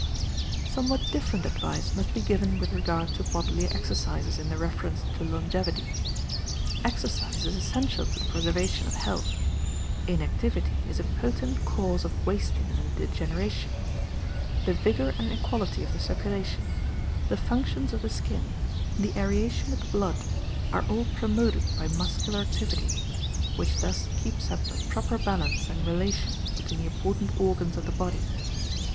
Somewhat different advice must be given with regard to bodily exercises in their reference to longevity. Exercise is essential to the preservation of health; inactivity is a potent cause of wasting and degeneration. The vigour and equality of the circulation, the functions of the skin, and the aeration of the blood, are all promoted by muscular activity, which thus keeps up a proper balance and relation between the important organs of the body.